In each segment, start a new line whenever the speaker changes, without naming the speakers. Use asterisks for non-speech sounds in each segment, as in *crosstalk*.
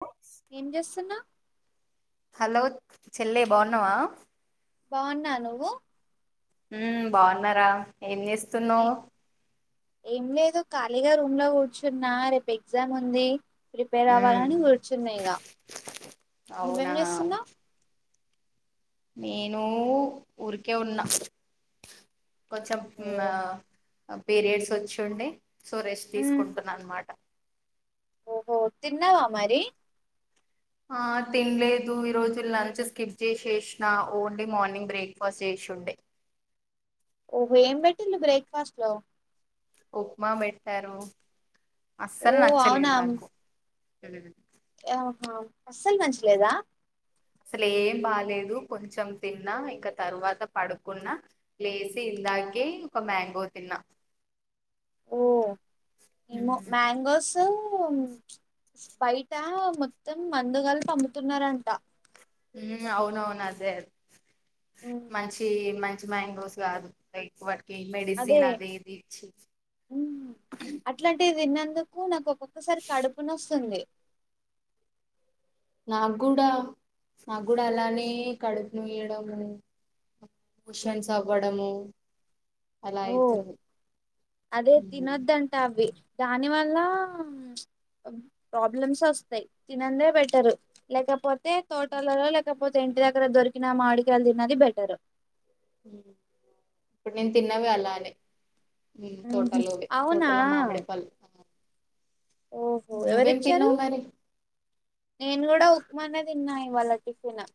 హ
ఏం చేస్తున్నావ్
హలో చెల్లె బాగున్నావా
బావున్నా నువ్వు
ఊ బాగున్నారా ఏం
ఏ
చేస్తున్నవ్
ఏం లేదు ఖాళీగా రూమ్ లో కూర్చున్నా రేపు ఎగ్జామ్ ఉంది ప్రిపేర్
ఉమ్
అవ్వాలని కూర్చున్నా ఇగ నువ్వేం
అవునా
చేస్తున్నావ్
నేను ఊరికే ఉన్నా కొంచెం
ఓ
ఆ పీరియడ్స్ వచ్చుండే సో రెష్
ఉమ్
తీసుకుంటున అనమాట
ఓహో తిన్నావా మరి
ఆ తినలేదు ఈ రోజు లంచ్ స్కిప్ చేసేసిన ఓన్లీ మార్నింగ్ బ్రేక్ఫాస్ట్ చేసినా చుండే
ఓహో ఏం పెట్టిలు బ్రేక్ఫాస్ట్ లో
ఉప్మా పెట్టారు
ఓ
అస్సలు నచ్చలేదు నాకు
ఆహ అస్సలు నచ్చలేద
అసలు ఏం బాలేదు కొంచెం తిన్నా ఇంకా తర్వాత పడుకున్నా లేసి ఇదాకే ఒక మ్యాంగో తిన్నా
ఓ ఏమో
ఉమ్
మ్యాంగోస్ సు స్పైట మొత్తం మందుగల్పి అమ్ముతున్నారట
ఊ అవునవును అదే అదే
ఉమ్
మంచి మం చు మంగోస్ గాదు *unintelligible* కి
అదే
మెడిసిన్ అది ఇది ఇచ్చి
ఉమ్ అట్లాంటివి తిన్నందుకు నాకు ఒక్కొక్కసారి కడుపున నొస్తుంది
నాకు కూడా నాకు కూడా అలానే కడుపు నొయడము ముషన్స్ అవ్వడము అలా
ఓ
అయితుంది
అదే తినొద్దంట అవి దానివల్ల ప్రాబ్లమ్స్ వస్తాయి తినందే బెటరు లేకపోతే తే తోటలలో లేకపోతే ఇంటి దగ్గర దొరికిన మాడికాయలు తిన్నది బెటరు
ఇప్పుడు నేను తిన్నవి అలానే ఊ తోటలోవే
అవునా
తోటలో మామిడిపల్లు
ఓహో ఎవరిచ్చారు
మరి
నేను కూడా ఉప్మా నే దిన్నా ఇవాళ టిఫిను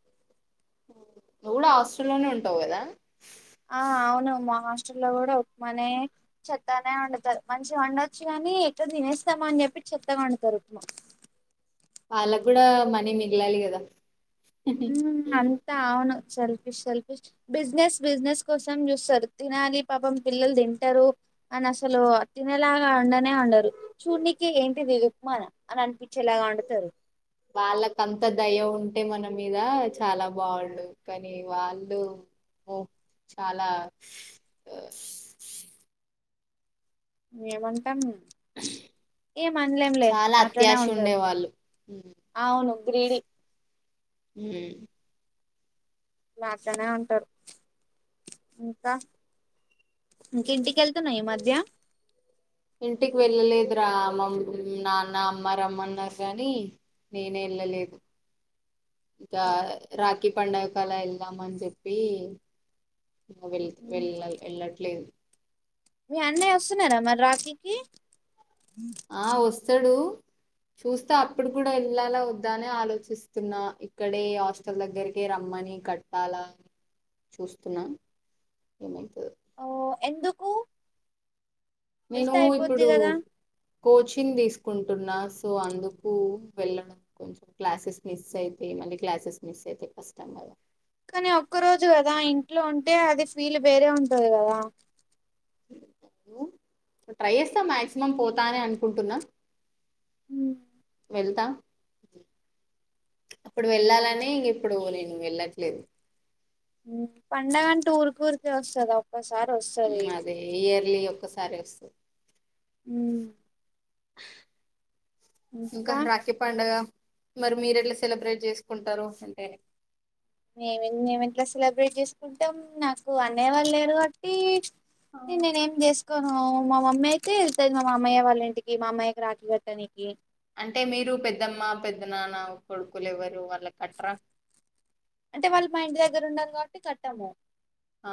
నువు కూడ హాస్ట లోనే ఉంటావు కదా
ఆ అవును మా హాస్టల్లో కూడా ఉప్మానే చెత్తానే వండుతారు మంచిగ వండొచ్చు కానీ నీ ఎక్కడ తినేస్తామో అని చెప్పి చెత్తగా వండుతారు ఉప్మా
వాళకు కూడా మనీ మిగిలాలి కదా
ఊ అంతా అవును సెల్ఫిష్ సెల్ఫిష్ బిజినెస్ బిజినెస్ కోసం చూస్తారు తినాలి పాపం పిల్లలు తింటారు అని అసలు అద్ తినలాగా అండనే అండరు చూడ్నికి ఏంటిది ఉప్మాన అని అనిపి
వాళ్లక్ అంత దయ ఉం అంటే మన మీద చాలా బాగుండు కానీ వాళ్ళు ఓ చాలా ఆ
ఏమంటాం ఏం అనలేంలే
చాలా
అట్లనే
అత్యాశ
ఉంటారు
ఉండేవాళ్ళు
అవును గ్రీడి
మ్మ్
అట్లనే ఉంటారు ఇంకా ఇంకేంటి వెళ్తున్నావా ఈ మధ్య
రామమ్ నాన్న అమ్మ రమ్మన్నారు కానీ నేనే వెళ్ళలేదు ఇక రాఖీ పండుగ కలా వెళ్దామని చెప్పి వెళ్
ఉమ్.
వెళ్ళ వెళ్ళట్లేదు
మీ అన్నయ వస్తున్నారా మరి రాఖీకి
ఆ వస్తాడు చూస్తే అప్పుడు కూడా వెళ్ళాలా వద్దానే ఆలోచిస్తున్నా ఇక్కడే హాస్టల్ దగ్గరికే రమ్మని కట్టాలా చూస్తున్నా ఏమై
ఓ ఎందుకు
నేను
వెళ్తే అయిపోద్ది
ఇప్పుడు
కదా
కోచింగ్ తీసుకుంటున్నా సో అందుకు వెళ్ళడం కొంచెం క్లాసెస్ మిస్ అయితే మళ్లీ క్లాసెస్ మిస్ అయితయి ఫస్ట్ టైమ్ కదా
కానీ ఒక్క రోజు కదా ఇంట్లో ఉంటే అది ఫీల్ వేరే ఉంటది కదా
ట్రై చేస్తా మాక్సిమం పోతానే అనుకుంటున్నా
అ
వెళ్తా అప్పుడు వెళ్ళాలనే ఇంకెప్పుడు నేను లేను వెళ్ళట్లేదు
పండగా అంటే ఉరు ఉర్కానే వస్తదా ఒక్కసారి వస్తది
అదే ఇయర్లీ ఒక్కసారి వస్తది
అ
ఇంకా రాఖీ పండగ మరి మీరు ఎట్లా సెలబ్రేట్ చేసుకుంటారు అంటే
మేమి మేమి ఎట్లా సెలబ్రేట్ చేసుకుంటాం నాకు అన్నయ్య వాళ్ళు లేరు కాబట్టి నేనేం తెచ్ మా అమ్మయితే వెళ్తుంది మామయ్య వాళ్ళ ఇంటికి మామ్మయ్యకి రాఖి కట్టనికి
అంటే మీరు పెద్దమ్మ పెద్ద నాన్న కొడుకులు ఎవ్వరు వాళ్ళకు కట్రా
అంటే వాళ్ళు మా ఇంటి దగ్గర ఉండరు కాబట్టి కట్టము
ఆ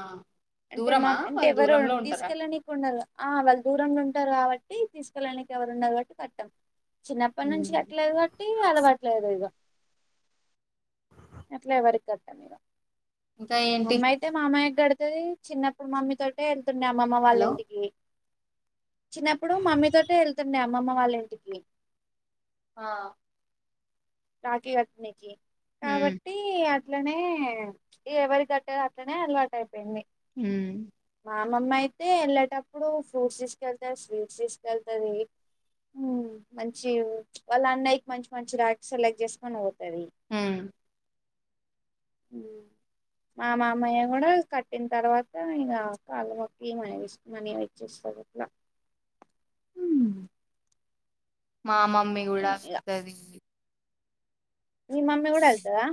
అంటే మా
దూరమా
అంటే
వాళ్ళు
ఎవరు
దూరంలో ఉంటారా
తీసుకెళ్ళనికు ఉండరు ఆ వాళ్ళు దూరంగా ఉంటారు కాబట్టి తీసుకెళ్ళడానికి ఎవరు ఉండరు కాబట్టి కట్టం చిన్నప్పటి నుంచి కట్టలేదు కాబట్టి అలవట్లేదు ఇక అట్లా ఎవరి కట్ట లేదా
ఇంకా ఏంటి
మమ్మీయితే మామయ్య గడుతది చిన్నప్పుడు మమ్మీ తోటే వెళ్తుండే అమ్మమ్మ వాళ్ళ
హలో
ఇంటికి చిన్నప్పుడు మమ్మీ తోనే వెళ్తుండే అమ్మమ్మ వాళ్ళ ఇంటికి
ఆ
రాకీ గట్నేకి
ఉమ్
కాబట్టి అట్లనే ఎవరికి కట్టరు అట్లనే అలవాటు అయిపోయింది
ఉమ్
మా అమ్మమ్మ అయితే ఎళ్ళేటప్పుడూ ఫ్రూట్స్ తీసుకెళ్తద్ స్వీట్స్ తీసుకెళ్తదీ. ఊ మంచీ వాళ్ళ అన్నయ్యకి మంచి మంచి రాఖి సెలెక్ట్ చేసుకొని పో
ఊ
ఊ మా మామయ్య కూడా కట్టిన్ తర్వాతా ఇంగా కాళ్ళ మొక్కీ మనీ తీస్ మనీ ఇచ్చేస్. తడు అట్లా ఉమ్,
మా మమ్మీ గూడా
ఏమో
*inaudible*
ఇగ
స్తదీ
మీ మమ్మీ గూడ ఎళ్తదా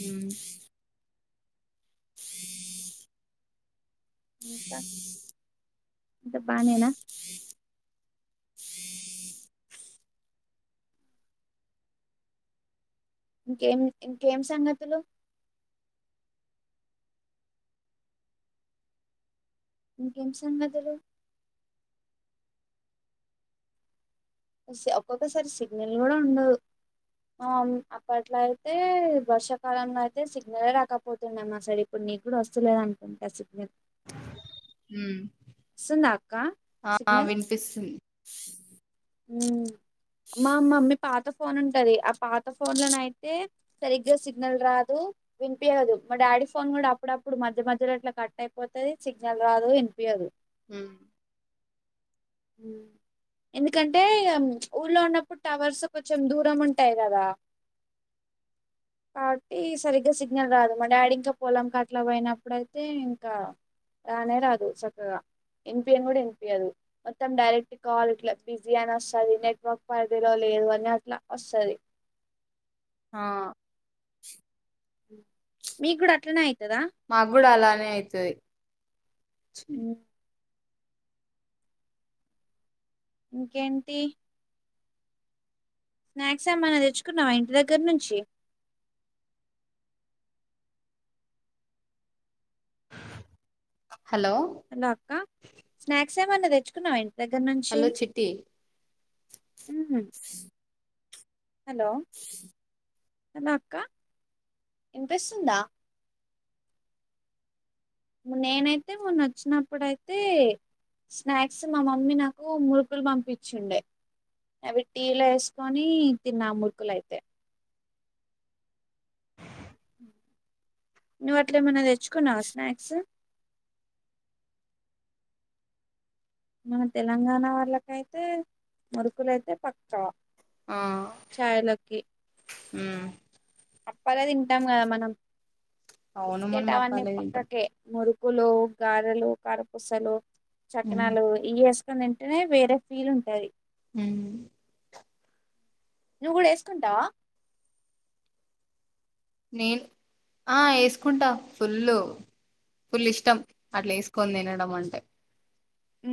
ఊ
ఇంకా అంత బానేనా.
అహ
ఇంకేం ఇంకేం సంగతులు. ఇంకేం సంగతులు ఒస్ ఒక్కొక్కసారి సిగ్నల్ గూడా ఉండదు. ఆ అవున్ అప్పట్లో అయితే వర్షాకాలంలో అయితే సిగ్నలే రాకపోతుండే మా సైడ్ ఎప్పుడు. నీక్ గూడా వస్తలేద్ అనుకుంట సిగ్నల్. వస్తుందా అక్క
ఊ ఆ వినిపిస్తుంది.
హ్మూ మా మమ్మీ పాత ఫోన్ ఉంటది ఆ పాత ఫోన్ లోన అయితే సరిగ్గా సిగ్నల్ రాదు. తె వినిపియ్యదు. మా డాడీ ఫోన్ గూడా అప్పుడప్పుడు మధ్య మధ్యలో అట్ల కట్ అయిపోతది సిగ్నల్ రాదు ఇన్పియ్యదు.
హ్ము
ఊ ఎందుకంటే ఇగా అం ప్చ్ ఊర్లో ఉన్నప్పుడు టవర్సు కొంచెం దూరం ఉంటాయి గదా. కాబట్టి సరిగ్గా సిగ్నల్ రాదు మా డాడీ ఇంకా పొలం కా అట్లా పోయినప్పుడయితే ఇంకా రానే రాదు సక్కగా ఇన్పీయను గూడా ఇన్పియ్యదు. మొత్తం డైరెక్ట్ కాల్ ఇట్ల బిజీ అని వస్తది. నెట్వర్క్ పరిధిలో లేదు అని అట్లా వస్తది.
ఆ
మీక్ గూడ అట్లనే ఐ
మాక్ గూడా అలానే అయితది
ఇంకేంటీ స్నాక్స్ ఏమన్నా తెచ్చుకున్నావా ఇంటి దగ్గర్ నుంచీ.
హలో
హలో అక్కా. స్నాక్స్ ఏమన్నా తెచ్చుకున్నావా ఇం దగ్గర్ నుంచీ
హలో చిట్టి
ఊహు హలో హలో అక్కా ఇన్పిస్తుందా. నేనైతే మొన్న వచ్చినప్పుడైతే. స్నాక్స్ మా మమ్మీ నాకూ మురుకుల్ పంపిచ్చుండే. అవి టీలో ఏసుకోనీ తిన్నా మురుకులయితే. నువ్వు అట్లేమన్నా తెచ్చుకున్నావా స్నాక్సు. మన తెలంగాణా వాళ్ళకైతే మురుకులయితే పక్కా.
ఆ
చాయ్లకి
ఊ
అప్పాలే తింటాం గదా మనం.
అవును
బిస్కెట్
మనం
అవన్నీ
అప్పాలే తింటాం
పక్కకే మురు కులూ, గారెలూ, కారప్పూసలూ
ఉమ్
నాలు ఇ వేసుకుని తింటేనే వేరే ఫీల్ ఉంటది
హ్మ్మ్
నువ్వు కూడా వేసుకుంటావా
నేను ఆ ఏసుకుంట ఫుల్ ఫుల్ ఇష్టం అట్లా ఏసుకొని తినడం అంటే
ఉ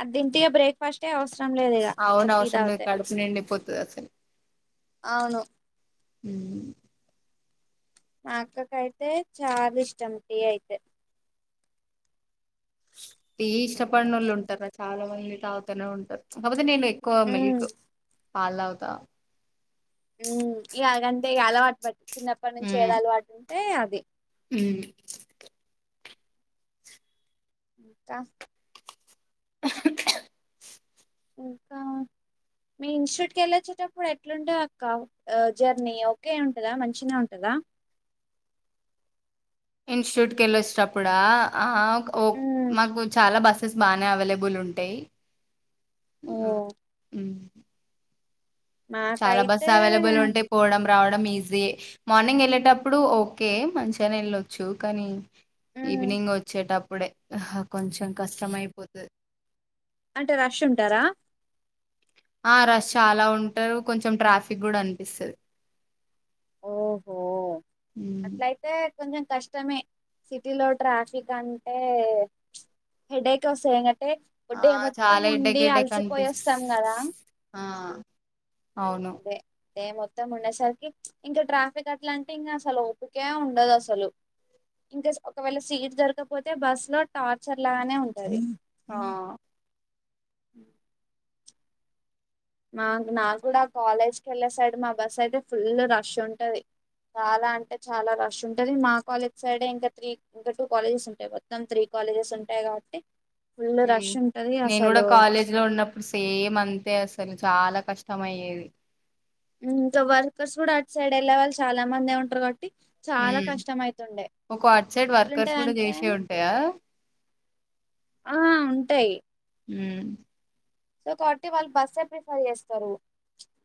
అది దింటే ఇగ బ్రేక్ఫాస్ట్ఆ అవస
అవును అవసరం లేదు కడుపు నిండిపోతది అసలు
అవును
హ్మ్మ్
మాఅక్కకైతే చాలా ఇష్టం టీ అయితే
టీ ఇష్టపడనోళ్ళు ఉంటార చాలా మంది తాగుతనే ఉంటారు కాకపోతే నేను ఎక్కువ
ఉమ్
మిల్క్ పాలుతాగుత
అంటే అలవాటు పట్టి చిన్నప్పటి నుంచి ఏది అలవాటు ఉంటే అది
హుమ్మ్
కా ఇంకా మీ ఇన్స్టిట్యూట్కి వెళ్ళ వచ్చేటప్పుడు ఎట్లుంటాదక్క జర్నీ ఓకే ఉంటదా మంచినే ఉంటదా
ఇన్స్టిట్యూట్ కి వెళ్ళి వచ్చినప్పుడా ఆ
ఉమ్
మాకు చాలా బస్ స్సెస్ బానే అవైలబుల్ ఉంటాయి
ఓ
చాలా బస్సు
మాకైతే
అవైలబుల్ ఉంటాయి పోవడం రావడం ఈజీ ఏ మార్నింగ్ వెళ్ళేటప్పుడు ఓకే మంచిగానే వెళ్ళొచ్చు కానీ
ఉమ్
ఈవినింగ్ వచ్చేటప్పుడే కొంచెం కష్టం అయిపోతది
అంటే రష్ ఉంటారా
ఆ రష్ చాలా ఉంటారు కొంచెం ట్రాఫిక్ కూడా అనిపిస్తది
ఓహో
హ్మ్మ్
అట్లయితే కొంచెం కష్టమే సిటీలో ట్రాఫిక్ అంటే హెడేక్ వస్తాయి ఎకంటే ఒ
ఆ
డే మొత్తం
చాలా హెడేక్
ఉండి
హెడేక్
అలసిపోయి
అనిపిస్
వస్తాం కదా
ఆ అవును
అదే డే మొత్తం ఉండేసరికి ఇంకా ట్రాఫిక్ అట్లా అంటే ఇంకా అసలు ఓపికే ఉండదు అసలు ఇన్ కేసు ఒకవేళ సీట్ దొరకపోతే బస్ లో టార్చర్ లాగానే ఉంటది
ఆ
సరి మా నా కూడా కాలేజ్కి వెళ్ళే సైడ్ మా బస్ అయితే ఫుల్ రష్ ఉంటది చాలా అంటే చాలా రష్ ఉంటది మా కాలేజ్ సైడ్ే ఇంకా త్రీ ఇంకా టూ కాలేజెస్ ఉంటాయి మొత్తం త్రీ కాలేజెస్ ఉంటాయి కాబట్టి ఫుల్ రష్ ఉంటది
నేను కూడా
అసలు
కాలేజ్ లో ఉన్నప్పుడు సేమ్ అంతే అసలు చాలా కష్టం అయ్యేది
ఇంకా వర్కర్స్ కూడా అటు సైడ్ వెళ్ళే వాళ్ళు చాలా మంది ఉంటారు కబట్టి చాలా
హ్మ్.
కష్టం అవుతుండే
ఒక అట్ సైడ్ వర్కర్స్
ఎట్లుంటది
కూడా
అంటే
చేసే ఉంటాయా
ఆ ఉంటాయి
హ్మ్మ్
సో కాబట్టి వాళ్ళు బస్సే ప్రిఫర్ చేస్తారు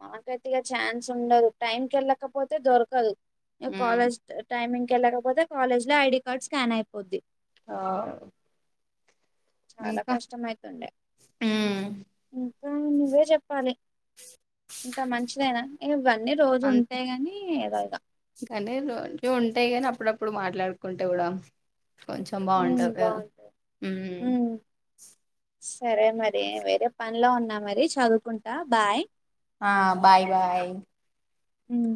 మాకైతేఈగా ఛాన్స్ ఉండదు టైంకి వెళ్ళకపోతే దొరకదు
హ్మ్.
కాలేజ్ టైమింగ్కి వెళ్ళకపోతే కాలేజ్ లో ఐడి కార్డ్ స్కాన్ అయిపోద్ది
ఆ
చాలా
ఇంకా
కష్టమైతుండే ఇంకా నువ్వే చెప్పాలి. ఇంత మంచిదైనా ఇవన్నీ రోజు ఉంటేయి గాని ఏదోగా
లేదు అన్ని ఉంట అప్పుడప్పుడు మాట్లాడుకుంటే కూడా కొంచెం బాగుంటది కదా
బాగుంటాయి
మ్మ్
సరే మరి వేరే పన్లో ఉన్నా మరి చదువుకుంటా బాయ్
ఆ బాయ్ బాయ్.
మ్